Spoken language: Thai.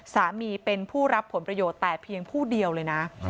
สามีเป็นผู้รับผลประโยชน์แต่เพียงผู้เดียวเลยนะ